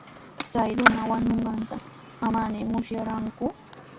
Chay runa wañunqanta manami musyarqaaku.